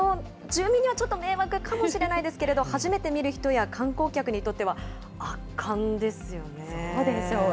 住民にはちょっと迷惑かもしれないですけど、初めて見る人や観光客にとっては圧巻ですよね。